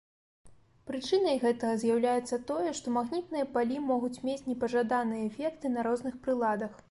Прычынай гэтага з'яўляецца тое, што магнітныя палі могуць мець непажаданыя эфекты на розных прыладах.